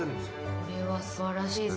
これはすばらしいです。